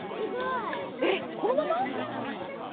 えっこのまま？